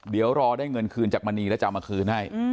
เดี๋ยวรอได้เงินคืนจากมณีแล้วจะเอามาคืนให้